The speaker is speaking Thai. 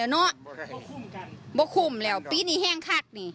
ไม่คุ้มแล้วปีนี้แห้งขักนี่